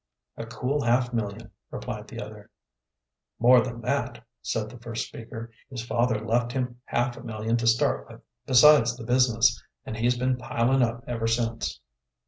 "A cool half million," replied the other. "More than that," said the first speaker. "His father left him half a million to start with, besides the business, and he's been piling up ever since."